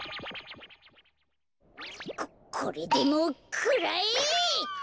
ここれでもくらえ！